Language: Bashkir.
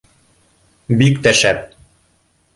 — Бик тә шәп